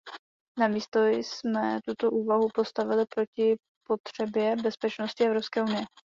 Namísto jsme tuto úvahu postavili proti potřebě bezpečnosti Evropské unie.